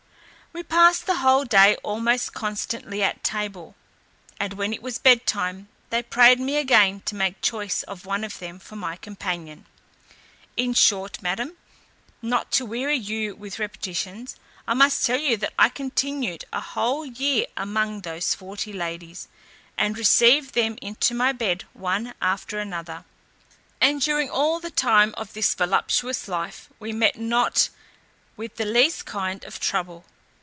We passed the whole day almost constantly at table; and when it was bed time, they prayed me again to make choice of one of them for my companion In short, madam, not to weary you with repetitions, I must tell you that I continued a whole year among those forty ladies, and received them into my bed one after another: and during all the time of this voluptuous life, we met not with the least kind of trouble.